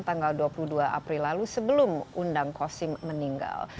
tanggal dua puluh dua april lalu sebelum undang kosim meninggal